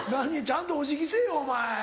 ちゃんとお辞儀せぇよお前。